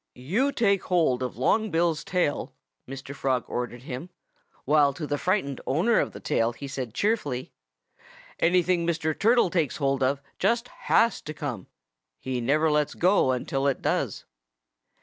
"You take hold of Long Bill's tail," Mr. Frog ordered him, while to the frightened owner of the tail he said cheerfully, "Anything Mr. Turtle takes hold of just has to come. He never lets go until it does."